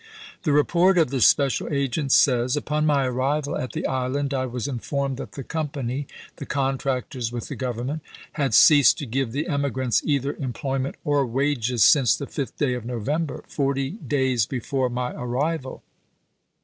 The report of the special agent says: " Upon my arrival at the island I was informed that the company [the contractors with the Grov ernment] had ceased to give the emigrants either employment or wages since the 5th day of Novem isea. ber, forty days before my arrival.